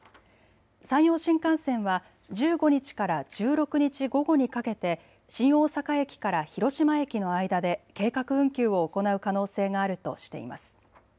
山陽新幹線は１５日から１６日午後にかけて新大阪駅から広島駅の間で計画運休を行う可能性があるとしています。